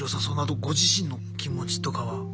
そのあとご自身の気持ちとかは。